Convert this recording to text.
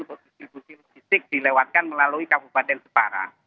untuk distribusi listrik dilewatkan melalui kabupaten depara